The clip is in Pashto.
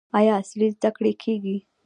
آیا عصري زده کړې کیږي؟